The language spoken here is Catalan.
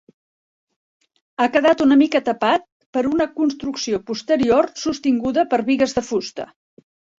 Ha quedat una mica tapat per una construcció posterior sostinguda per bigues de fusta.